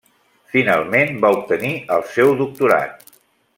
Finalment, va obtenir el seu doctorat.